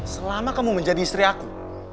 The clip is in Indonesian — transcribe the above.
selama kamu menjadi istri aku